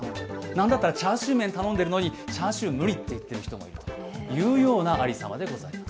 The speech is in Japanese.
なんだったらチャーシュー麺頼んでいるのにチャーシュー無理！といっている人もいるというようなありさまでございます。